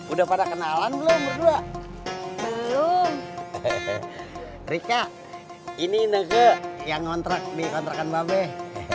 udah pada kenalan belum berdua belum rika ini nge yang ngontrak di kontrakan mbak